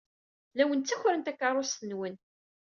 La awen-ttakren takeṛṛust-nwen!